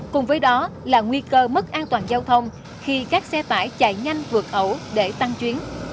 cùng với đó là nguy cơ mất an toàn giao thông khi các xe tải chạy nhanh vượt ẩu để tăng chuyến